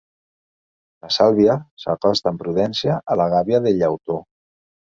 La Sàlvia s'acosta amb prudència a la gàbia de llautó.